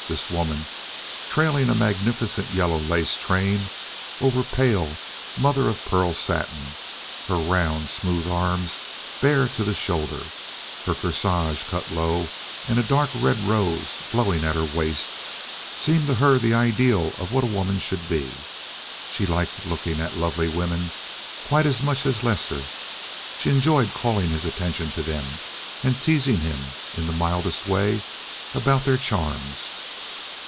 This woman, trailing a magnificent yellow lace train over pale, mother of pearl satin, her round, smooth arms bare to the shoulder, her corsage cut low and a dark red rose blowing at her waist, seemed to her the ideal of what a woman should be. She liked looking at lovely women quite as much as Lester; she enjoyed calling his attention to them, and teasing him, in the mildest way, about their charms.